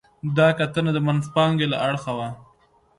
دا کتنه د منځپانګې له اړخه وه.